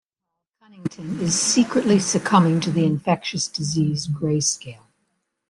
Meanwhile, Connington is secretly succumbing to the infectious disease "greyscale".